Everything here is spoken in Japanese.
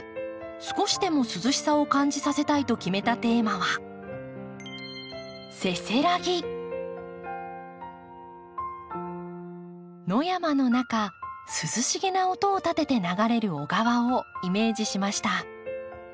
少しでも涼しさを感じさせたいと決めたテーマは野山の中涼しげな音を立てて流れる小川をイメージしました。